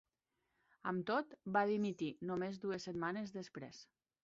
Amb tot, va dimitir només dues setmanes després.